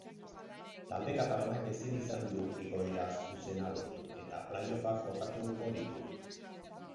Talde katalanak ezin izan du igoera zuzena lortu eta playoffak jokatuko ditu.